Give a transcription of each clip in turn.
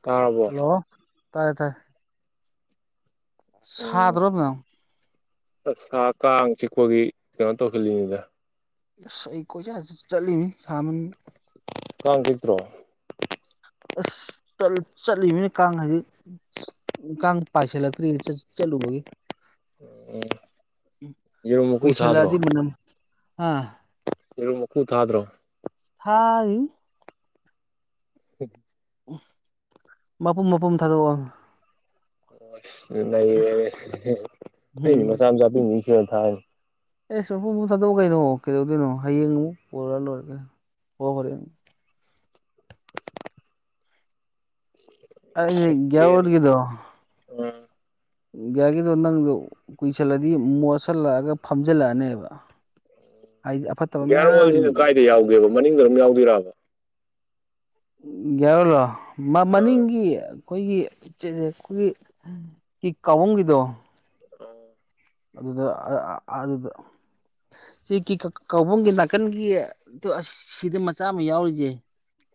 ꯇꯥꯔꯕꯣ ꯍꯜꯂꯣ ꯇꯥꯏꯌꯦ ꯇꯥꯏ ꯫ ꯎꯝ ꯁꯥꯗ꯭ꯔꯣꯕ ꯅꯪ ꯑꯁ ꯀꯥꯡ ꯆꯤꯛꯄꯒꯤ ꯀꯩꯅꯣ ꯇꯧꯁꯤꯜꯂꯤꯅꯤꯗ ꯫ ꯑꯁ ꯑꯩ ꯀꯣꯏꯆꯠ ꯆꯠꯂꯤꯃꯤ ꯁꯥꯃꯟ ꯀꯥꯡ ꯆꯤꯛꯇ꯭ꯔꯣ? ꯑꯁ ꯆꯥꯜ ꯆꯠꯂꯤꯃꯤꯅ ꯀꯥꯡ ꯍꯧꯖꯤꯛ ꯀꯥꯡ ꯄꯥꯏꯁꯜꯂꯛꯇ꯭ꯔꯤ ꯆꯠ ꯆꯠꯂꯨꯕꯒꯤ ꯫ ꯌꯦꯔꯨꯝ ꯃꯀꯨ ꯀꯨꯏꯁꯜꯂꯛꯑꯗꯤ ꯊꯥꯗ꯭ꯔꯣ ꯃꯅꯝ ꯍꯥ ꯌꯦꯔꯨꯝ ꯃꯀꯨ ꯊꯥꯗ꯭ꯔꯣ? ꯊꯥꯔꯤꯅꯤ [inaudible] ꯎꯝ ꯃꯄꯨꯝ ꯃꯄꯨꯝ ꯊꯥꯗꯣꯛꯑꯣ ꯫ ꯑꯁ ꯅꯩꯔ‌ꯦꯅ‌ꯦ ꯑꯩꯗꯤ ꯃꯆꯥꯥ ꯃꯆꯥ ꯄꯤꯡ ꯄꯤꯡ ꯁ‌ꯦꯠꯂꯥ ꯊꯥꯏꯅꯤ ꯫ ꯑꯦ ꯃꯄꯨꯡ ꯃꯄꯨꯡ ꯊꯥꯗꯣꯛꯑꯣ ꯀꯩꯅꯣ ꯀꯩꯗꯧꯗꯣꯏꯅꯣ ꯍꯌꯦꯡ ꯑꯃꯨꯛ ꯄꯨꯔꯒ ꯂꯣꯏꯔ‌ꯦ ꯀꯩꯅ‌ꯣ ꯍ‌ꯣ ꯍꯣꯔꯦꯟ ꯫ ꯑꯩꯗꯤ ꯒ꯭ꯌꯥꯔ ꯁ‌ꯦꯀ‌ꯦꯟ ꯑꯥ ꯗꯤꯌꯥꯒꯤꯗꯣ ꯅꯪꯗꯣ ꯀꯨꯏꯁꯜꯂꯗꯤ ꯃꯣꯠꯁꯤꯜꯂꯛꯑꯒ ꯐꯝꯖꯤꯜꯂꯛꯑꯅꯦꯕ ꯫ ꯍꯥꯏꯗꯤ ꯑꯐꯠꯇꯕ ꯃꯌꯥꯝ ꯌ‌ꯦꯕ ꯃꯅꯤꯡꯗ ꯑꯗꯨꯝ ꯌꯥꯎꯗꯣꯏꯔꯕ? ꯒꯤꯌꯥꯔꯂꯣ ꯃ ꯑꯥ ꯃꯅꯤꯡꯒꯤ ꯈꯣꯏꯒꯤ ꯆ‌ꯦꯖ‌ꯦ ꯈꯣꯏꯒꯤ ꯀꯤꯛ ꯀꯥꯎꯕꯝꯒꯤꯗꯣ ꯑꯥ ꯑꯗꯨꯗ ꯑ ꯑ ꯑꯗꯨꯗ ꯁꯤ ꯀꯤꯛꯈꯛ ꯀꯧꯕꯝꯒꯤ ꯅꯥꯀꯟꯒꯤ ꯇꯨ ꯑꯁ ꯁꯤꯗ ꯃꯆꯥ ꯑꯃ ꯌꯥꯎꯔꯤꯁꯦ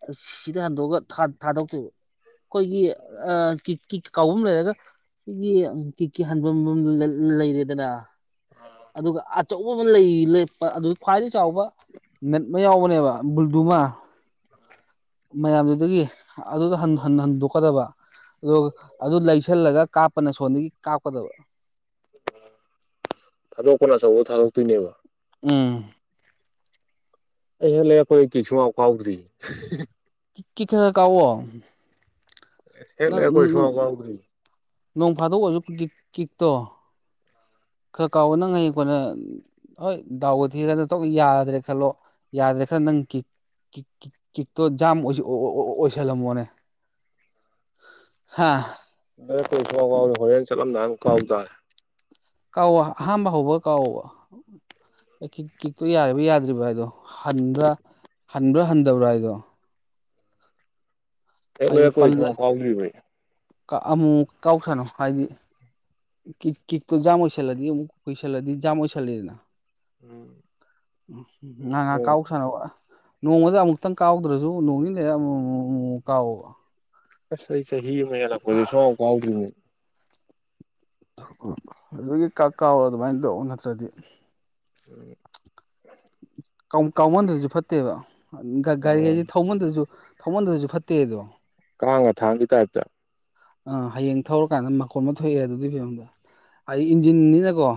ꯑꯁ ꯁꯤꯗ ꯍꯟꯗꯣꯛꯑꯒ ꯊꯥ ꯊꯥꯗꯣꯛꯇ‌ꯣꯏꯕ ꯫ ꯈꯣꯏꯒꯤ ꯑꯥ ꯀꯤꯛ ꯀꯤꯛ ꯀꯥꯎꯕꯝ ꯂꯩꯔꯒ ꯁꯤꯒꯤ ꯀꯤꯛꯀꯤ ꯍꯟꯐꯝ ꯂꯩ ꯂꯩꯔꯦꯗꯅ ꯫ ꯑꯥ ꯑꯗꯨꯒ ꯑꯆꯧꯕ ꯑꯃ ꯂꯩ ꯂ‌ꯦꯄ ꯑꯗꯨ ꯈ꯭ꯋꯥꯏꯗꯒꯤꯩ ꯆꯥꯎꯕ ꯅꯠ ꯑꯃ ꯌꯥꯎꯕꯅꯦꯕ ꯕꯨꯜꯗꯨ ꯑꯃ ꯃꯌꯥꯝꯗꯨꯗꯒꯤ ꯑꯗꯨꯗ ꯍꯟ ꯍꯟ ꯍꯟꯗꯣꯛꯀꯗꯕ ꯫ ꯑꯗꯨꯒ ꯑꯗꯨ ꯂꯩꯁꯜꯂꯒ ꯀꯥꯞꯄꯅ ꯁꯣꯟꯗꯒꯤ ꯀꯥꯞꯀꯗꯕ ꯫ ꯊꯥꯗꯣꯛꯄꯅ ꯑꯆꯧꯕ ꯊꯥꯗꯣꯛꯇꯣꯏꯅꯦꯕ ꯎꯝ ꯑꯩ ꯍꯦꯛ ꯂꯩꯔꯛꯄꯗꯩ ꯀꯤꯛ ꯁꯨꯛꯀꯥꯎ ꯀꯥꯎꯗ꯭ꯔꯤ ꯀꯤ ꯀꯤꯛ ꯈꯔ ꯈꯔ ꯀꯥꯎꯋꯣ ꯍꯦꯛ ꯅꯪ ꯂꯩꯔꯛꯄꯗꯩ ꯅꯅ ꯁꯨꯡꯀꯥꯎ ꯀꯥꯎꯗ꯭ꯔꯤ ꯅꯣꯡ ꯐꯥꯗꯣꯛ ꯑꯣꯏꯁꯨ ꯀꯤꯛ ꯀꯤꯛꯇꯣ ꯈꯔ ꯀꯥꯎꯋꯣ ꯅꯡ ꯍꯌꯦꯡ ꯀꯣꯟꯅ ꯍꯣꯏ ꯗꯥꯎꯕꯨ ꯊꯤꯔ ꯇꯣꯛ ꯌꯥꯗ꯭ꯔꯦ ꯈꯜꯂꯣ ꯌꯥꯗ꯭ꯔꯦ ꯈꯜ ꯅꯪ ꯀꯤꯛ ꯀꯤꯛ ꯀꯤꯛ ꯀꯤꯛ ꯇꯣ ꯖꯥꯝ ꯑꯣꯏꯑꯣꯏꯑꯣꯏ ꯑꯣꯏꯁꯜꯂꯝꯃꯣꯅꯦ ꯍꯥꯥ [unintelligible] ꯍꯣꯔꯦꯟ ꯆꯠꯂꯝꯗꯥꯏꯗ ꯑꯃꯨꯛ ꯀꯥꯎꯇꯥꯔꯦ ꯀꯥꯎꯋꯣ ꯑꯍꯥꯝꯕ ꯍꯧꯕꯒ ꯀꯥꯎꯋꯣꯕ ꯑꯦ ꯀꯤꯛ ꯀꯤꯛꯇꯣ ꯌꯥꯔꯤꯕ ꯌꯥꯗ꯭ꯔꯤꯕ꯭ꯔ ꯍꯥꯏꯗꯣ ꯍꯟꯕ꯭ꯔꯥ ꯍꯟꯕ꯭ꯔꯥ ꯍꯟꯗꯕ꯭ꯔꯥ ꯍꯥꯏꯗꯣ ꯍꯦꯛ ꯂꯩꯔꯛꯄꯗꯩ ꯁꯨꯛꯀꯥꯎ ꯀꯥꯎꯗ꯭ꯔꯤꯕ ꯑꯩ ꯀꯥ ꯑꯃꯨꯛꯃꯨꯛ ꯀꯥꯎ ꯁꯥꯅꯧ ꯍꯥꯏꯗꯤ ꯀꯤ ꯀꯤꯛꯇꯣ ꯖꯥꯝ ꯑꯣꯏꯁꯜꯂꯗꯤ ꯑꯃꯨꯛ ꯀꯨꯏꯁꯂꯗꯤ ꯖꯥꯝ ꯑꯣꯏꯁꯜꯂꯤꯗꯅ ꯎꯝ ꯉꯥꯉꯥꯛ ꯀꯥꯎ ꯁꯥꯅꯧꯕ ꯅꯣꯡꯃꯗ ꯑꯃꯨꯛꯇꯪ ꯀꯥꯎꯗ꯭ꯔꯁꯨ ꯅꯣꯡꯅꯤꯅꯤ ꯂꯩꯔꯒ ꯑꯃꯨꯃꯨꯃꯨꯃꯨꯃꯨꯛ ꯀꯥꯎꯋꯣ ꯑꯁ ꯑꯩ ꯆꯍꯤ ꯑꯃ ꯍꯦꯜꯂꯛꯄꯁꯦ ꯁꯨꯡꯀꯥꯎ ꯀꯥꯎꯗ꯭ꯔꯤꯅꯦ ꯑꯗꯨꯒꯤ ꯀꯛ ꯀꯥꯎꯔꯣ ꯑꯗꯨꯃꯥꯏꯅ ꯇꯧ ꯅꯠꯇ꯭ꯔꯗꯤ ꯑ ꯀꯥꯎ ꯀꯥꯎꯃꯟꯗꯁꯨ ꯐꯠꯇꯦꯕ ꯒꯥꯔꯤ ꯎꯝ ꯍꯥꯏꯁꯦ ꯊꯧꯃꯟꯗ꯭ꯔꯁꯨ ꯊꯧꯃꯟꯗ꯭ꯔꯁꯨ ꯐꯠꯇꯦꯗꯣ ꯀꯥꯡꯒ ꯊꯥꯡꯒꯤ ꯇꯥꯏꯞꯇ ꯑ ꯍꯌꯦꯡ ꯊꯧꯔꯀꯥꯟꯗ ꯃꯀꯣꯟ ꯑꯃ ꯊꯣꯛꯑꯦ ꯑꯗꯨꯒꯤ ꯐꯤꯕꯝꯗ ꯑꯩ ꯏꯟꯖꯤꯟꯅꯤꯅꯀꯣ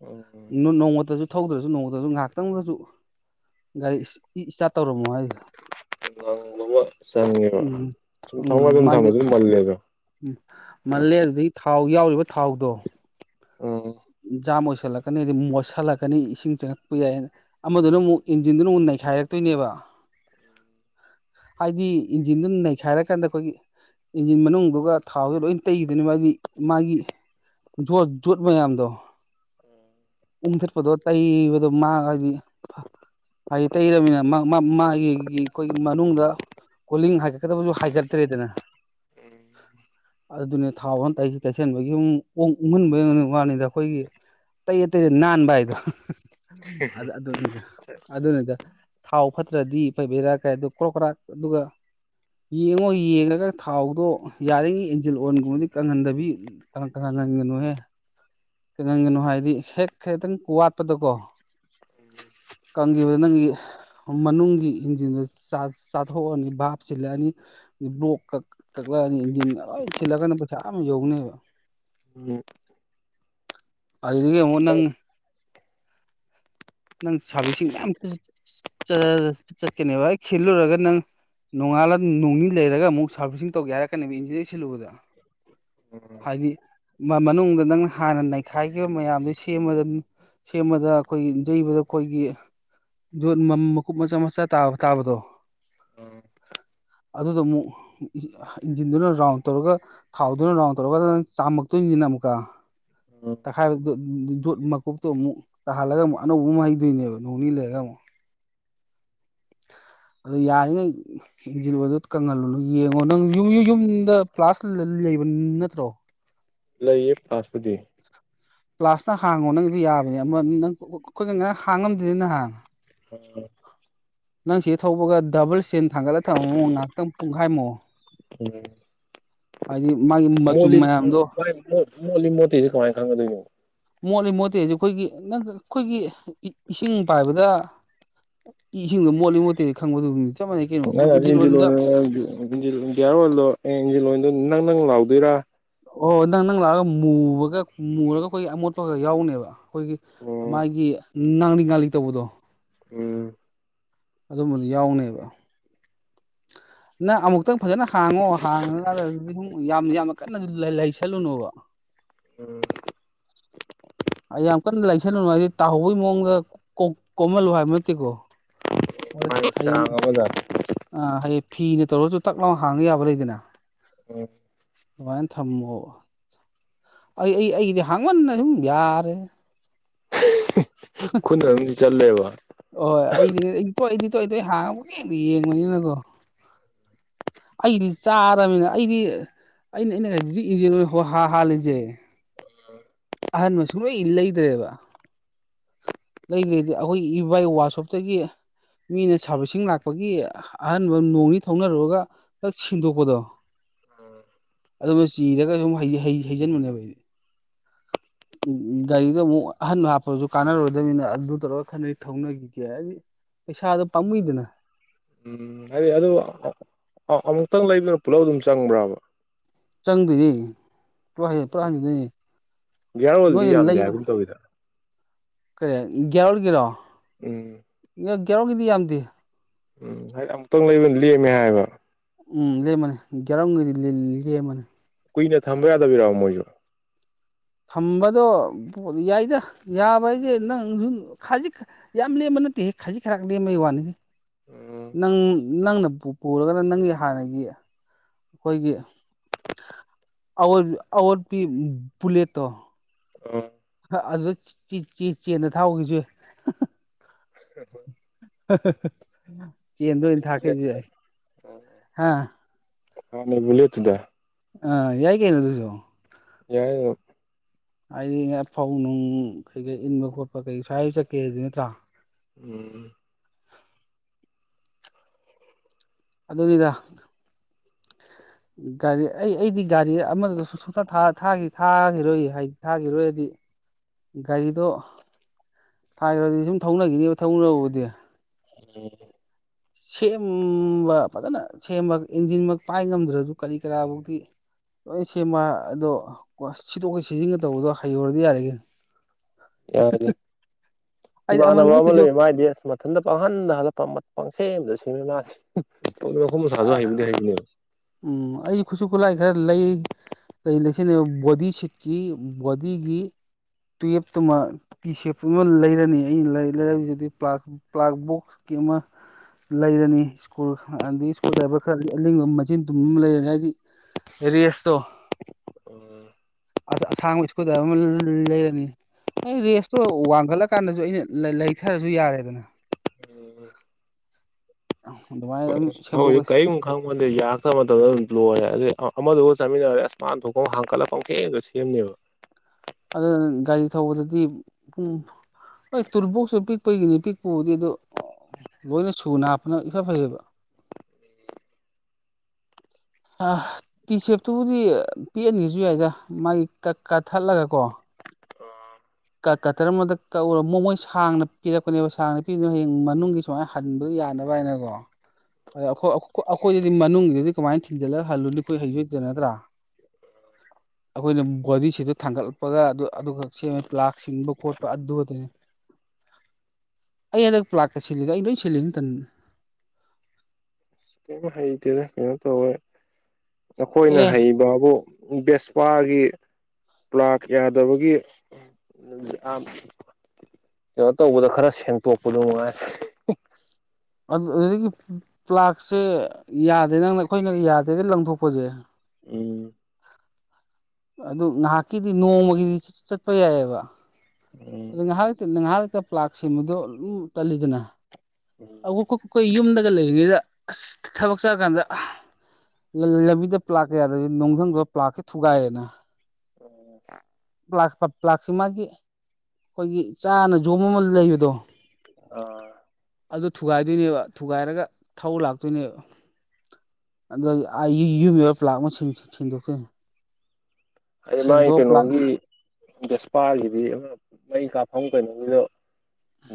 ꯎꯝ ꯅꯣ ꯅꯣꯡꯃꯇꯁꯨ ꯊꯧꯗ꯭ꯔꯁꯨ ꯅꯣꯡꯃꯇꯁꯨ ꯉꯥꯛꯇꯪꯗꯁꯨ ꯒꯥꯔꯤ ꯏꯁ ꯏꯁ꯭ꯇꯥꯔꯠ ꯇꯧꯔꯝꯃꯣ ꯍꯥꯏ ꯉꯡꯕ ꯑꯃ ꯆꯪꯉꯦꯕ ꯎꯝ ꯁꯨꯝ ꯊꯧꯅꯗꯅ ꯃꯥꯒꯤ ꯊꯝꯃꯁꯨ ꯃꯜꯂꯦꯗꯣ ꯎꯝ ꯃꯜꯂꯦ ꯑꯗꯨꯗꯒꯤ ꯊꯥꯎ ꯌꯥꯎꯔꯤꯕ ꯊꯥꯎꯗꯣ ꯑ ꯖꯥꯝ ꯑꯣꯏꯁꯜꯂꯛꯀꯅꯤ ꯍꯥꯏꯗꯤ ꯃꯣꯠꯁꯜꯂꯛꯀꯅꯤ ꯏꯁꯤꯡ ꯆꯪꯉꯛꯄ ꯌꯥꯏ ꯑꯃꯗꯨꯅ ꯑꯃꯨꯛ ꯏꯟꯖꯤꯟꯗꯨꯅ ꯑꯃꯨꯛ ꯅꯩꯈꯥꯏꯔꯛꯇꯣꯏꯅꯦꯕ [inaudible] ꯍꯥꯏꯗꯤ ꯏꯟꯖꯤꯟꯗꯨ ꯅꯩꯈꯥꯏꯔ ꯀꯥꯟꯗ ꯑꯩꯈꯣꯏꯒꯤ ꯏꯟꯖꯤꯟ ꯃꯅꯨꯡꯗꯨꯒ ꯊꯥꯎꯗꯨ ꯂꯣꯏ ꯇꯩꯒꯤꯗꯣꯏꯅꯦ ꯍꯥꯏꯗꯤ ꯃꯥꯒꯤ ꯖꯣꯠ ꯖꯣꯠ ꯃꯌꯥꯝꯗꯣ ꯎꯝ ꯎꯝꯊꯠꯄꯗꯣ ꯇꯩꯕꯗꯣ ꯃꯥ ꯍꯥꯏꯗꯤ ꯐꯥ ꯍꯥꯏꯗꯤ ꯇꯩꯔꯕꯃꯤꯅ ꯃꯥꯒꯤꯒꯤ ꯑꯩꯈꯣꯏꯒꯤ ꯃꯅꯨꯡꯗ ꯀꯣꯂꯤꯡ ꯍꯥꯏꯒꯠꯀꯗꯕꯁꯨ ꯍꯥꯏꯒꯛꯇ꯭ꯔꯦꯗꯅ ꯑꯗꯨꯅꯦ ꯊꯥꯎꯑꯣꯟ ꯇꯩ ꯇꯩꯁꯟꯕꯒꯤ ꯌꯨꯝ ꯑꯣꯡ ꯎꯡꯍꯟꯕꯩ ꯋꯥꯅꯦꯗ ꯈꯣꯏꯒꯤ ꯇꯩꯔ ꯇꯩꯔ ꯅꯥꯟꯕ ꯍꯥꯏꯗꯣ ꯑꯗꯨꯅꯤꯗ ꯑꯗꯨꯅꯤꯗ ꯊꯥꯎ ꯐꯠꯇ꯭ꯔꯗꯤ ꯄꯩ ꯕꯦꯔꯥ ꯀꯥꯏ ꯑꯗꯣ ꯀ꯭ꯔꯣꯛ ꯀ꯭ꯔꯥꯛ ꯑꯗꯨꯒꯥ ꯌꯦꯡꯉꯣ ꯌꯦꯡꯉꯒ ꯊꯥꯎꯗꯣ ꯌꯥꯔꯤꯉꯩ ꯏꯟꯖꯤꯜ ꯑꯣꯜꯒꯨꯝꯕꯗꯤ ꯀꯪꯍꯟꯗꯕꯤ ꯀꯪ ꯀꯪꯍꯜꯂꯅꯒꯅꯨꯍꯦ ꯀꯩꯍꯟꯒꯅꯨ ꯍꯥꯏꯗꯤ ꯍꯦꯛ ꯈꯩꯇꯪ ꯋꯥꯠꯄꯗꯀꯣ [unintelligible] ꯀꯪꯒꯤꯕꯗꯣ ꯅꯪꯒꯤ ꯍꯣ ꯃꯅꯨꯡꯒꯤ ꯏꯟꯖꯤꯟꯗꯨ ꯆꯥ ꯆꯥꯊꯣꯛꯑꯅꯤ ꯚꯥꯞ ꯁꯤꯜꯂꯛꯑꯅꯤ ꯕ꯭ꯂꯣꯛ ꯀꯛ ꯀꯛꯂꯛꯑꯅꯤ ꯏꯟꯖꯤꯟꯒ ꯂꯣꯏ ꯁꯤꯜꯂꯀꯅꯤ ꯄꯩꯁꯥ ꯑꯥ ꯌꯧꯅꯦꯕ꯫ ꯎꯝ꯫ ꯑꯗꯒꯤ ꯑꯃꯨꯛ ꯅꯪ ꯅꯪ ꯁꯥꯕꯤꯁꯤꯡ ꯃꯌꯥꯝ ꯆꯠꯀꯅꯦꯕ ꯍꯦꯛꯁꯤꯜ ꯂꯣꯔꯒ ꯅꯪ ꯅꯣꯡꯉꯥꯜꯂ ꯅꯣꯡ ꯅꯤ ꯂꯩꯔꯒ ꯑꯃꯨꯛ ꯁꯥꯔꯚꯕꯤꯁꯤꯡ ꯇꯧꯒꯦ ꯍꯥꯏꯔꯛꯀꯅꯦꯕ ꯏꯟꯖꯤꯟ ꯍꯧꯛ ꯁꯤꯜꯂꯨꯕꯗ꯫ ꯍꯥꯏꯗꯤ ꯃꯅꯨꯡꯗ ꯅꯪ ꯍꯥꯟꯅ ꯅꯩꯈꯥꯏꯈꯤꯕ ꯃꯌꯥꯝꯗꯨ ꯁꯦꯝꯃꯗ ꯁꯦꯝꯃꯗ ꯑꯩꯈꯣꯏꯒꯤ ꯌꯩꯕꯗ ꯑꯩꯈꯣꯏꯒꯤ ꯌꯣꯠ ꯃꯀꯨꯞ ꯃꯆꯥ ꯃꯆꯥꯥ ꯇꯥꯕꯗꯣ ꯑꯗꯨꯗꯨ ꯑꯃꯨꯛ ꯏꯟꯖꯤꯟꯗꯨꯅ ꯔꯥꯎꯟ ꯇꯧꯔꯒ ꯊꯥꯎꯗꯨꯅ ꯔꯥꯎꯟ ꯇꯧꯔꯒ ꯅꯪ ꯆꯥꯝꯃꯛꯇꯣꯏꯅꯤꯅ ꯑꯃꯨꯛꯀ ꯇꯛꯈꯥꯏꯕꯗꯨ ꯌꯣꯠ ꯃꯀꯨꯞꯇꯣ ꯑꯃꯨꯛ ꯇꯥꯍꯜꯂꯒ ꯑꯃꯨꯛ ꯑꯅꯧꯕ ꯑꯃ ꯍꯩꯗꯣꯏꯅꯦꯕ ꯅꯣꯡꯅꯤ ꯂꯩꯔꯒ ꯑꯃꯨꯛ꯫ ꯑꯗꯨ ꯌꯥꯔꯤꯉꯩ ꯏꯟꯖꯤꯟ ꯑꯣꯏꯗ ꯀꯪꯍꯜꯂꯨꯅꯨ ꯌꯦꯡꯉꯣ ꯅꯪ ꯌꯨꯝ ꯌꯨꯝꯗ ꯄ꯭ꯂꯥꯁ ꯂꯩꯕ ꯅꯠꯇ꯭ꯔꯣ꯫ ꯂꯩꯌꯦ ꯄꯂꯥꯁꯄꯨꯗꯤ꯫ ꯄ꯭ꯂꯥꯁꯅ ꯍꯥꯡꯉꯣ ꯅꯪꯒꯤꯗꯤ ꯌꯥꯕꯅꯦ ꯑꯃ ꯅꯪ ꯈꯨꯠ ꯉꯔꯤꯡ ꯍꯥꯡ ꯉꯝꯗꯦꯗꯅ ꯅꯍꯥꯟꯅ ꯎꯝ꯫ ꯅꯪ ꯁꯤ ꯊꯧꯕꯒ ꯗꯕꯜ ꯆꯦꯟ ꯊꯥꯡꯒꯠꯂꯒ ꯊꯅꯝꯃꯨ ꯉꯥꯍꯥꯛꯇꯪ ꯄꯨꯡꯈꯥꯏꯃꯨꯛ꯫ ꯎꯝ꯫ ꯍꯥꯏꯗꯤ ꯃꯆꯨꯝ ꯃꯣꯠꯂꯤ ꯃꯌꯥꯝꯗꯣ ꯃꯥꯏ ꯃꯣꯜꯂꯤ ꯃꯣꯠꯇꯦꯁꯦ ꯀꯃꯥꯏ ꯈꯪꯒꯗꯣꯏꯅꯣ꯫ ꯃꯣꯠꯂꯤ ꯃꯣꯠꯇꯦꯖꯦ ꯑꯩꯈꯣꯏꯒꯤ ꯅꯪ ꯑꯩꯈꯣꯏꯒꯤ ꯏꯁꯤꯡ ꯄꯥꯏꯕꯗ ꯏꯁꯤꯡꯗꯣ ꯃꯣꯠꯂꯤ ꯃꯣꯠꯇꯦ ꯈꯪꯕꯗꯣ ꯑꯗꯨꯒꯨꯝꯅꯤ꯫ ꯅꯪ ꯑꯗꯨ ꯏꯟꯖꯤꯟ ꯑꯣꯏꯜꯗꯣ [unintelligible] ꯒꯤꯌꯥꯔ ꯑꯣꯏꯜꯗꯣ ꯑꯦ ꯏꯟꯖꯤꯟ ꯑꯣꯏꯜꯗꯣ ꯅꯪ ꯅꯪ ꯂꯥꯎꯗꯣꯏꯔꯥ ꯑꯣ ꯅꯪ ꯅꯪ ꯂꯥꯎꯔꯒ ꯃꯨꯕꯒ ꯃꯨꯔꯒ ꯑꯩꯈꯣꯏ ꯑꯃꯣꯠꯄꯒ ꯌꯥꯎꯅꯦꯕ꯫ ꯑꯩꯈꯣꯏꯒꯤ ꯎꯝ ꯃꯥꯒꯤ ꯉꯥꯡꯂꯤ ꯉꯥꯡꯂꯤ ꯇꯧꯕꯗꯣ꯫ ꯎꯝ꯫ ꯑꯗꯨꯝꯕꯗꯨ ꯌꯥꯎꯅꯦꯕ꯫ ꯅꯪ ꯑꯃꯨꯛꯇꯪ ꯐꯖꯅ ꯍꯥꯡꯉꯣ ꯍꯥꯡꯉꯀꯥꯟꯗ ꯑꯗꯨꯗꯤ ꯁꯨꯝ ꯌꯥꯝ ꯌꯥꯝꯅ ꯀꯟꯅ ꯂꯩꯁꯜꯂꯨꯅꯣꯕ꯫ ꯎꯝ꯫ ꯑꯩ ꯌꯥꯝ ꯀꯟꯅ ꯂꯩꯁꯜꯂꯨꯅꯨ ꯍꯥꯏꯗꯤ ꯇꯥꯍꯧꯕꯩ ꯃꯑꯣꯡꯗ ꯀꯣꯝ ꯀꯣꯝꯍꯜꯂꯨ ꯍꯥꯏꯕ ꯅꯠꯇꯦꯀꯣ꯫ ꯃꯥꯏ ꯆꯥꯡ ꯑꯃꯗꯥ ꯑ ꯍꯌꯦꯡ ꯐꯤꯅ ꯇꯧꯔꯁꯨ ꯇꯥꯛ ꯂꯥꯎ ꯍꯥꯡꯕ ꯌꯥꯕ ꯂꯩꯗꯅ꯫ ꯎꯝ꯫ ꯑꯗꯨꯃꯥꯏꯅ ꯊꯝꯃꯣ ꯑꯩ ꯑꯩ ꯑꯩꯒꯤꯗꯤ ꯍꯥꯡꯃꯟꯅ ꯁꯨꯝ ꯌꯥꯔꯦꯗ꯫ ꯈꯨꯠꯅ ꯑꯗꯨꯝ ꯆꯠꯂꯦꯕ꯫ ꯍꯣꯏ ꯑꯩꯗꯤ ꯑꯩ ꯇꯣꯏ ꯑꯩꯗꯤ ꯇꯣꯏ ꯇꯣꯏ ꯍꯥꯡꯉꯒ ꯄꯨꯡꯌꯦꯡꯇ ꯌꯦꯡꯕꯅꯤꯅꯀꯣ꯫ ꯑꯩꯗꯤ ꯆꯥꯔꯕꯃꯤꯅ ꯑꯩꯗꯤ ꯑꯩꯅ ꯑꯩꯅ ꯍꯧꯖꯤꯛꯁꯨ ꯏꯟꯖꯟ ꯏꯟꯖꯤꯟ ꯑꯣꯏꯜ ꯍꯥꯜꯂꯤꯁꯦ ꯎꯝ꯫ ꯑꯍꯟꯕ ꯁꯨꯡꯂꯩ ꯂꯩꯗ꯭ꯔꯦꯕ꯫ ꯂꯩꯗ꯭ꯔꯦꯗꯤ ꯑꯩꯈꯣꯏ ꯏꯕꯥꯏ ꯋꯥꯁꯣꯞꯇꯒꯤ ꯃꯤꯅ ꯁꯥꯔꯕꯤꯁꯤꯡ ꯂꯥꯛꯄꯒꯤ ꯑꯍꯟꯕ ꯅꯣꯡꯅꯤ ꯊꯧꯅꯔꯨꯔꯒ ꯇꯛ ꯁꯤꯟꯗꫭꯛꯄꯗꯣ ꯑꯣ ꯑꯗꯨꯅ ꯆꯤꯔꯒ ꯁꯨꯝ ꯍꯩ ꯍꯩꯖꯤꯟꯕꯅꯦꯕ ꯑꯩꯗꯤ ꯑꯝ ꯒꯥꯔꯤꯗꯣ ꯑꯃꯨꯛ ꯑꯍꯟꯕ ꯍꯥꯞꯄꯁꯨ ꯀꯥꯟꯅꯔꯣꯢꯕ ꯑꯗꯨꯅꯤꯅ ꯑꯗꯨ ꯇꯧꯔꯒ ꯈꯔ ꯍꯦꯛ ꯊꯧꯅꯈꯤꯒꯦ ꯍꯥꯏꯗꯤ ꯄꯩꯁꯥꯗꯣ ꯄꯥꯝꯃꯨꯏꯗꯅ ꯎꯝ ꯍꯥꯏꯗꯤ ꯑꯗꯨ ꯑꯃꯨꯛꯇꯪ ꯂꯩꯕꯅ ꯄꯨꯂꯞ ꯑꯗꯨꯝ ꯆꯪꯕ꯭ꯔꯕꯥ ꯆꯪꯗꯣꯏꯅꯤ ꯑꯗꯨ ꯄꯨꯂꯥꯞ ꯍꯟꯗꯣꯏꯅꯤ ꯒꯤꯌꯥꯔ ꯑꯣꯏꯜꯗꯤ ꯅꯣꯏꯒꯤ ꯌꯥꯝꯗꯦ ꯂꯩꯕ ꯍꯥꯏꯒꯨꯝ ꯇꯧꯋꯤꯗ ꯀꯔꯤ ꯒ꯭ꯌꯥꯔ ꯒꯤꯔꫭ ꯎꯝ ꯒ꯭ꯌꯥꯔꯒꯤꯗꯤ ꯌꯥꯝꯗꯦ ꯎꯝ ꯍꯥꯏꯗꯤ ꯑꯃꯨꯛꯇꯪ ꯂꯩꯕꯅ ꯂꯦꯝꯃꯦ ꯍꯥꯏꯕ ꯎꯝ ꯂꯦꯝꯃꯅꯤ ꯒ꯭ꯌꯥꯔ ꯑꯃꯒꯤꯗꯤ ꯂꯦꯝꯕꯅꯤ ꯀꯨꯏꯅ ꯊꯝꯕ ꯌꯥꯗꯕꯤꯔꯕ ꯃꯣꯏꯁꯨ ꯊꯝꯕꯗꯣ ꯌꯥꯏꯗ ꯌꯥꯕ ꯍꯥꯢꯁꯦ ꯅꯪ ꯁꯨꯝ ꯈꯥꯖꯤꯛ ꯌꯥꯝ ꯂꯦꯝꯕ ꯅꯠꯇꯦ ꯍꯦ ꯈꯥꯖꯤꯛ ꯈꯥꯔꯛ ꯂꯦꯝꯕꯩ ꯋꯥꯅꯤꯗ ꯎꯝ ꯅꯪ ꯅꯪꯅ ꯄꯨ ꯄꯨꯔꯒꯅ ꯅꯪꯒꯤ ꯍꯥꯟꯅꯒꯤ ꯑꯩꯈꯣꯏꯒꯤ [unintelligible] [unintelligible] ꯄꯨꯂꯦꯠꯇꯣ ꯑꯝ ꯑꯗꯨ ꯆꯦ ꯆꯦꯟꯗ ꯊꯥꯎꯈꯤꯁꯦ ꯎꯝ [unintelligible] ꯆꯦꯟꯗ ꯑꯣꯢꯅ ꯊꯥꯛꯀꯦꯁꯨ ꯌꯥꯏ ꯍꯥ ꯍꯥꯥꯟꯅꯩ ꯕꯨꯂꯦꯠꯇꯨꯗ ꯑꯥ ꯌꯥꯏ ꯀꯩꯅꫭ ꯑꯗꯨꯁꯨ ꯌꯥꯏꯌꯦ ꯑꯩꯅ ꯐꯧ ꯅꯨꯡ ꯀꯩꯀꯩ ꯏꯟꯕ ꯈꯣꯠꯄ ꯀꯩ ꯁ꯭ꯋꯥꯏ ꯆꯠꯀꯦꯗꯤ ꯅꯠꯇ꯭ꯔꯥ ꯎꯝ ꯑꯗꯨꯅꯤꯗ ꯒꯥꯔꯤ ꯑꯩ ꯑꯩꯗꯤ ꯒꯥꯔꯤ ꯑꯃꯗ ꯁꯨ ꯁꯨꯡꯊꯥ ꯊꯥꯈꯤꯔꯣꯏ ꯍꯥꯏꯗꯤ ꯊꯥꯈꯤꯔꯣꯏꯗꯤ ꯒꯥꯔꯤꯗꯣ ꯊꯥꯏꯈ꯭ꯔꯗꯤ ꯁꯨꯝ ꯊꯧꯅꯈꯤꯅꯤ ꯊꯧꯅꯔꯕꯨꯗꯤ ꯎꯝ ꯁꯦꯝꯕ ꯐꯖꯅ ꯁꯦꯝꯕ ꯏꯟꯖꯤꯟꯃꯛ ꯄꯥꯏ ꯉꯝꯗ꯭ꯔꯁꯨ ꯀꯔꯤ ꯀꯔꯥꯐꯧꯗꯤ ꯂꯣꯏ ꯁꯦꯝꯕ ꯑꯗꯨ ꯁꯤꯗꯣꯛ ꯁꯤꯖꯤꯟꯀ ꯇꯧꯕꯗꯣ ꯍꯩꯍꯧꯔꯗꯤ ꯌꯥꯔꯦ ꯀꯩꯅꯣ ꯌꯥꯗ꯭ꯔꯤ ꯑꯩꯗꯤ ꯏꯃꯥꯟꯅꯕ ꯑꯃꯟꯕꯅ ꯑꯃ ꯀꯩꯁꯨ ꯂꯩ ꯃꯥꯢꯗꯤ ꯑꯁ ꯃꯊꯟꯇ ꯄꯥꯡꯍꯟꯗ ꯍꯜꯂꯛꯄ ꯄꯪꯁꯦꯝꯗ ꯁꯤꯃꯤ ꯃꯥꯁꯤ [unintelligible] ꯍꯥꯏꯕꯨꯗꯤ ꯍꯩꯅꯤꯕ ꯎꯝ ꯑꯩꯁꯨ ꯈꯨꯠꯁꯨ ꯈꯨꯠꯂꯥꯏ ꯈꯔ ꯂꯩ ꯂꯩ ꯂꯩ ꯁꯤꯟꯅꯤꯕ ꯕꯣꯗꯤ ꯁꯤꯠꯀꯤ ꯕꯣꯗꯤꯒꯤ ꯇꯨꯌꯦꯞꯇ ꯑꯃ ꯇꯤ ꯁꯦꯞ ꯇꯨꯃ ꯑꯃ ꯂꯩꯔꯅꯤ ꯑꯩꯅ ꯂꯩꯔꯛꯏꯁꯤꯗꯤ ꯄ꯭ꯂꯥꯛ ꯄ꯭ꯂꯥꯛ ꯕꯣꯛꯁꯀꯤ ꯑꯃ ꯂꯩꯔꯅꯤ ꯁ꯭ꯀꯨꯜ ꯑꯗꯩ [unintelligible] ꯕꯥꯔ ꯈꯔ ꯑꯔꯤꯡꯕ ꯑꯃ ꯃꯆꯤꯟ ꯇꯨꯝꯕ ꯑꯃ ꯂꯩꯔꯅꯤ ꯍꯥꯏꯗꯤ ꯔꯦꯁꯇꯣ ꯎꯝ ꯑꯁ ꯑꯁꯥꯡꯕ ꯁ꯭ꯀꯔꯨ ꯗꯥꯢꯕꯔ ꯑꯃ ꯂꯩꯔꯅꯤ ꯑꯩ ꯔꯦꯁꯇꯣ ꯋꯥꯡꯈꯠꯂꯒꯥꯟꯗꯁꯨ ꯑꯩꯅ ꯂꯩꯊꯔꯁꯨ ꯌꯥꯔꯦꯗꯅ ꯑꯗꯨꯃꯥꯏꯅ ꯍꯣꯏ ꯑꯗꯨꯝ ꯑꯁ ꯑꯩꯈꯣꯢꯗꯣ ꯁꯦꯝꯗꯣꯛꯀꯁꯤ ꯀꯔꯤꯝ ꯈꯪꯄꯣꯟꯇꯦ ꯌꯥꯔꯛꯇꯕ ꯃꯇꯝꯗ ꯑꯗꯨꯝ ꯂꯣꯏꯔꯦ ꯑꯗꯩ ꯑꯃꯗꯨꯒ ꯆꯠꯃꯤꯟꯅꯔꯗꯤ ꯑꯁ ꯃꯥꯢ ꯊꯣꯛꯄ ꯑꯃ ꯍꯥꯡꯒꯠꯂꯒ ꯄꯪꯁꯦꯝꯗ ꯁꯦꯝꯅꯤꯕ ꯑꯗꯨꯅ ꯒꯥꯔꯤ ꯊꯧꯕꯗꯗꯤ ꯄꯨꯡ ꯍꯣꯏ ꯇꯨꯜꯕꯣꯛꯁꯨ ꯄꯤꯛꯄꯩꯒꯤꯅꯤ ꯄꯤꯛꯄꯕꯨꯗꯤ ꯑꯗꯨ ꯂꯣꯏꯅ ꯁꯨꯅ ꯍꯥꯞꯄꯅ ꯏꯐ ꯐꯩꯌꯦꯕ ꯑꯥ ꯇꯤ ꯁꯦꯞꯇꯨꯕꯨꯗꯤ ꯄꯤꯛꯍꯟꯒꯦꯁꯨ ꯌꯥꯏꯗ ꯃꯥꯒꯤ ꯀ ꯀꯛ ꯊꯠꯂꯒ ꯀꯣ ꯀ ꯀꯇꯔ ꯑꯃꯗ ꯀꯛꯎꯔ ꯃꯣꯏ ꯁꯥꯡꯅ ꯄꯤꯔꯛꯄꯅꯦꯕ ꯁꯥꯡꯅ ꯄꯤꯔꯤꯗꯨꯅ ꯍꯌꯦꯡ ꯃꯅꯨꯡꯒꯤ ꯁꯨꯃꯥꯏ ꯍꯟꯕ ꯌꯥꯅꯕ ꯍꯥꯏꯅꯀꯣ ꯑꯗ ꯑꯩꯈꯣꯏ ꯑꯩꯈꯣꯏꯗꯗꯤ ꯃꯅꯨꯡꯒꯤꯗꯨꯗꯤ ꯀꯃꯥꯏꯅ ꯊꯤꯟꯖꯤꯜꯂꯒ ꯍꯜꯂꯨꯅꯤ ꯈꯣꯏ ꯍꯩꯁꯨ ꯍꯩꯇꯅ ꯅꯠꯇ꯭ꯔꯥ ꯑꯩꯈꯣꯏꯅ ꯕꯣꯗꯤ ꯁꯤꯗꯇ ꯊꯥꯡꯒꯠꯂꯛꯄꯒ ꯑꯗꯨ ꯑꯗꯨꯒ ꯁꯦꯝꯃꯦ ꯄ꯭ꯂꯥꯛ ꯁꯤꯟꯕ ꯈꯣꯠꯄ ꯑꯗꯨ ꯈꯛꯇꯅꯦ ꯑꯩ ꯍꯟꯗꯛ ꯄ꯭ꯂꯥꯛꯀ ꯁꯤꯜꯂꯤꯗꯣ ꯑꯩ ꯂꯣꯏ ꯁꯤꯜꯂꯤꯅꯤ ꯏꯊꯟꯗ ꯀꯩꯝ ꯍꯩꯇꯦꯗ ꯀꯩꯅꯣ ꯇꯧꯋꯦ ꯑꯩꯈꯣꯏꯅ ꯑꯦ ꯍꯩꯕꯕꯨ ꯚꯦꯁꯄꯥꯒꯤ ꯄ꯭ꯂꯥꯛ ꯌꯥꯗꯕꯒꯤ [inaudible] ꯀꯩꯅꯣ ꯇꯧꯕꯗ ꯈꯔ ꯁꯦꯡꯇꯣꯛꯄꯗꯣ ꯉꯥꯏꯔꯦ ꯑꯗꯨꯗꯒꯤ ꯄ꯭ꯂꯥꯛꯁꯦ ꯌꯥꯗꯦ ꯅꯪꯅ ꯑꯩꯈꯣꯏꯅ ꯌꯥꯗꯦꯅ ꯂꯪꯊꯣꯛꯄꯁꯦ ꯎꯝ ꯑꯗꯨ ꯉꯍꯥꯛꯀꯤꯗꯤ ꯅꯣꯡꯃꯒꯤꯗꯤ ꯆꯤꯠ ꯆꯤꯠ ꯆꯠꯄ ꯌꯥꯏꯌꯦꯕ ꯎꯝ ꯑꯗꯣ ꯉꯥꯏꯍꯥꯛ ꯂꯩꯇ ꯉꯥꯏꯍꯥꯛ ꯂꯩꯇꯅ ꯄ꯭ꯂꯥꯛ ꯁꯤꯟꯕꯗꯣ ꯗꯨꯝ ꯇꯜꯂꯤꯗꯅ ꯑꯃꯨꯛꯈꯛ ꯈꯣꯢ ꯌꯨꯝꯗꯒ ꯂꯩꯔꯤꯉꯩꯗ ꯑꯁ ꯊꯕꯛ ꯆꯠꯂ ꯀꯥꯟꯗ ꯂꯝꯕꯤꯗ ꯄ꯭ꯂꯥꯛꯀ ꯌꯥꯗꯕꯗꯤ ꯅꯨꯡꯗꯪꯗꯣ ꯄ꯭ꯂꯥꯛꯅ ꯊꯨꯒꯥꯏꯔꯦꯗꯅ [inaudible] ꯄ꯭ꯂꯥꯛꯁꯤ ꯃꯥꯒꯤ ꯑꯩꯈꯣꯏꯒꯤ ꯆꯥꯅ ꯌꯣꯝꯕ ꯑꯃ ꯂꯩꯕꯗꯣ ꯑꯥ ꯑꯗꯨ ꯊꯨꯒꯥꯏꯗꯣꯏꯅꯦꯕ ꯊꯨꯒꯥꯏꯔꯒ ꯊꯧ ꯂꯥꯛꯇꯣꯏꯅꯦꯕ ꯑꯗꯒꯤ ꯑ ꯌꯨꯝ ꯌꯧꯔꯒ ꯄ꯭ꯂꯥꯛ ꯑꯃ ꯁꯤꯟ ꯁꯤꯟꯗꯣꯛꯇꯣꯢꯅꯦ ꯑꯩ ꯃꯥꯏ ꯄ꯭ꯂꯥꯛ ꯀꯩꯅꯣꯒꯤ ꯚꯦꯁꯄꯥꯒꯤꯗꯤ ꯑꯃ ꯃꯩ ꯀꯥꯞꯐꯝ ꯀꯩꯅꯣꯒꯤꯗꯣ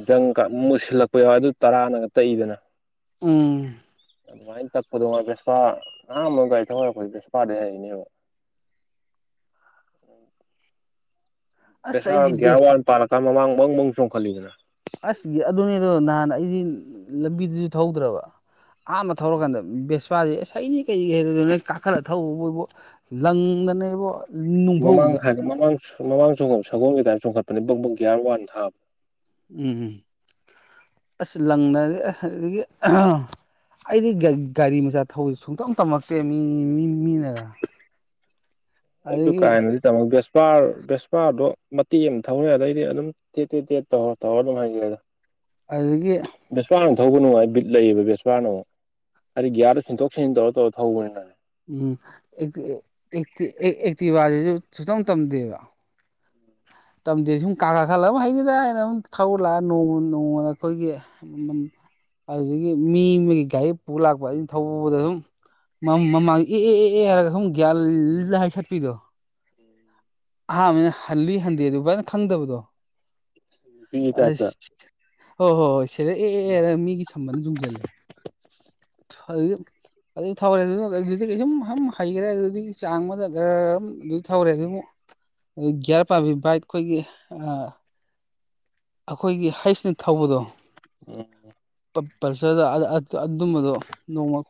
ꯖꯪ ꯀꯥ ꯃꯨꯁꯤꯜꯂꯛꯄ ꯌꯥꯎꯋꯦ ꯑꯗꯨ ꯇꯔꯥꯅꯒ ꯇꯛꯏꯗꯅ ꯎꯝ ꯑꯗꯨꯃꯥꯏ ꯇꯛꯄꯗꯣ ꯚꯦꯁꯄꯥ ꯑꯍꯥꯟꯕ ꯒꯥꯔꯤ ꯊꯧ ꯍꯩꯔꯛꯄꯁꯦ ꯚꯦꯁꯄꯥꯗꯩ ꯍꯩꯔꯛꯏꯅꯦꯕ ꯑꯁ ꯑꯩꯗꯤ ꯚꯦꯁꯄꯥ ꯒ꯭ꯌꯥꯔ ꯕꯦꯁ ꯋꯥꯟ ꯄꯥꯜꯂꯀꯥꯟ ꯃꯃꯥꯡ ꯕꯪ ꯕꯪ ꯆꯣꯡꯈꯠꯂꯤꯗꯅ ꯑꯁ ꯑꯗꯨꯅꯦꯗꯣ ꯅꯍꯥꯟ ꯑꯩꯗꯤ ꯂꯝꯕꯤꯗꯨꯁꯨ ꯊꯧꯗ꯭ꯔꯕ ꯑꯥꯍꯟꯕ ꯊꯧꯔꯀꯥꯟꯗ ꯚꯦꯁꯄꯥꯁꯤ ꯍꯩꯅꯤ ꯀꯩꯒꯤ ꯍꯩꯔꯣꯢꯗꯩꯅꯣ ꯀꯥꯈꯠꯂ ꯊꯧꯔꯨꯕꯨ ꯏꯕꯣ ꯂꯪꯗꯅ ꯏꯕꯣ ꯃꯃꯥꯡ ꯅꯨꯡꯐꯧꯗ ꯍꯥꯏ ꯃꯃꯥꯡ ꯃꯃꯥꯡ ꯆꯣꯡꯐꯝ ꯁꯒꯣꯜꯒꯤ ꯇꯥꯏꯞ ꯆꯣꯡꯈꯠꯄꯅꯦ ꯕꯛ ꯕꯛ ꯒ꯭ꯌꯔ ꯋꯥꯟꯒꯤ ꯊꯥꯕ ꯎꯝ ꯑꯁ ꯂꯪꯅꯗꯤ ꯑꯦ ꯑꯗꯨꯗꯒꯤ ꯑꯩꯗꯤ ꯒꯥꯔꯤ ꯃꯆꯥ ꯊꯧꯕꯁꯦ ꯁꯨꯡꯇꯝ ꯇꯝꯃꯛꯇꯦ ꯃꯤ ꯃꯤ ꯃꯤꯅ ꯑꯩꯁꯨ ꯀꯥꯍꯦꯟꯅꯗꯤ ꯇꯃꯛꯇꯦ ꯚꯦꯁꯄꯥꯔ ꯚꯦꯁꯄꯥꯗꯣ ꯃꯇꯦꯛ ꯑꯃ ꯊꯧꯔꯦ ꯑꯗꯩꯗꯤ ꯑꯗꯨꯝ ꯇꯦꯠ ꯇꯦꯠ ꯇꯦꯠ ꯇꯧꯔ ꯇꯧꯔ ꯑꯗꯨꯝ ꯍꯩꯒ꯭ꯔꯦꯗ ꯑꯗꯨꯗꯒꯤ ꯚꯦꯁꯄꯥꯔꯅ ꯊꯧꯕ ꯅꯨꯡꯊꯥꯏ ꯕꯤꯠ ꯂꯩꯌꯦꯕ ꯕꯦꯁꯄꯥꯔꯅ ꯑꯃꯨꯛ ꯍꯥꯏꯗꯤ ꯒ꯭ꯌꯔꯗꯣ ꯁꯤꯟꯇꯣꯛ ꯁꯤꯟꯖꯤꯟ ꯇꯧꯔ ꯇꯧꯔ ꯊꯧꯕꯅꯤꯅꯅꯦ ꯎꯝ ꯑꯦꯛꯇꯤ ꯑꯦꯛꯇꯤꯚꯥꯁꯤꯁꯨ ꯁꯨꯛꯇꯝ ꯇꯝꯗꯦꯕ ꯇꯝꯗꯦ ꯁꯨꯝ ꯀꯥ ꯀꯥ ꯈꯠꯂ ꯑꯃ ꯍꯩꯅꯤꯗ ꯑꯩꯅ ꯑꯗꯨꯝ ꯊꯧꯔ ꯂꯥꯛꯑꯒ ꯅꯣꯡꯃ ꯅꯣꯡꯃꯅ ꯑꯩꯈꯣꯏꯒꯤ ꯑꯗꯨꯗꯒꯤ ꯃꯤ ꯑꯃꯒꯤ ꯒꯥꯔꯤ ꯄꯨ ꯂꯥꯛꯄ ꯑꯩꯅ ꯊꯧꯕꯗ ꯑꯁꯨꯝ ꯃ ꯃꯃꯥꯡ ꯑꯦ ꯑꯦ ꯍꯥꯏꯔꯒ ꯁꯨꯝ ꯒ꯭ꯌꯔ ꯂꯩꯈꯠꯄꯤꯗꯣ ꯑꯍꯥꯟꯕꯅꯤꯅ ꯍꯜꯂꯤ ꯍꯟꯗꯦ ꯑꯗꯨ ꯐꯖꯅ ꯈꯪꯗꯕꯗꯣ ꯎꯝ ꯑꯁ ꯍꯣꯏ ꯍꯣꯏ ꯍꯣꯏ ꯁꯤꯗ ꯑꯦ ꯑꯦ ꯑꯦꯅ ꯃꯤꯒꯤ ꯁꯝꯕꯟꯗ ꯌꯨꯡꯁꯤꯜꯂꯦ [unintelligible] ꯑꯗꯨ ꯊꯧꯔꯦ ꯑꯗꯨ ꯑꯗꯨꯗꯤ ꯁꯨꯝ ꯁꯨꯝ ꯍꯩꯈ꯭ꯔꯦ ꯑꯗꯨꯗꯤ ꯆꯥꯡ ꯑꯃꯗ ꯒꯔ ꯑꯝ ꯑꯗꯨ ꯊꯧꯔꯦ ꯑꯗꯨꯃꯨꯛ ꯑꯗꯨ ꯒꯤꯌꯥꯔ ꯄꯝꯕꯁꯨ ꯕꯥꯏꯛ ꯈꯣꯏꯒꯤ ꯑꯩꯈꯣꯏꯒꯤ ꯍꯩꯁꯅ ꯊꯧꯕꯗꯣ ꯎꯝ ꯄꯜꯁꯔꯗ ꯑ ꯑ ꯑꯗꯨꯝꯕꯗꯣ ꯅꯣꯡꯃ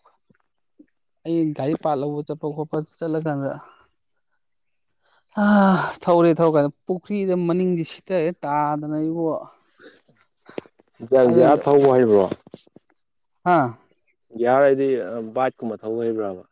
ꯑꯩ ꯒꯥꯔꯤ ꯄꯥꯔꯇ ꯂꯧꯕ ꯆꯠꯄ ꯈꯣꯠꯄ ꯆꯠꯂ ꯀꯥꯟꯗ ꯍ ꯊꯧꯔꯦ ꯊꯧꯔꯀꯥꯟꯗ ꯄꯨꯈ꯭ꯔꯤꯗ ꯃꯅꯤꯡꯗꯤ ꯁꯤꯠꯇꯔꯦ ꯇꯥ ꯅ ꯑꯩꯕꯨ ꯒꯤꯌꯥꯔ ꯊꯧꯕ ꯍꯩꯏꯕ꯭ꯔꯣ ꯍꯥꯥ ꯒꯤꯌꯥꯔ ꯍꯥꯏꯗꯤ ꯕꯥꯏꯛꯀꯨꯝꯕ ꯊꯧꯕ ꯍꯩꯕ꯭ꯔꯥꯕ